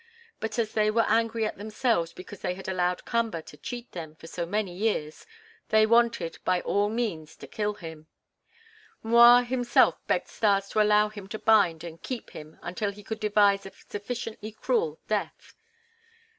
But as they were angry at themselves because they had allowed Kamba to cheat them for so many years, they wanted, by all means, to kill him. M'Rua himself begged Stas to allow him to bind and keep him until he could devise a sufficiently cruel death.